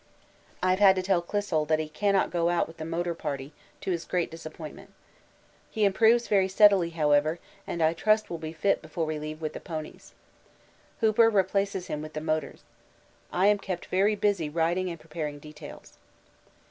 I have had to tell Clissold that he cannot go out with the Motor Party, to his great disappointment. He improves very steadily, however, and I trust will be fit before we leave with the ponies. Hooper replaces him with the motors. I am kept very busy writing and preparing details.